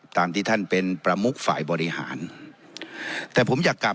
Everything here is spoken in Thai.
ตามที่ท่านเป็นประมุกฝ่ายบริหารแต่ผมอยากกลับ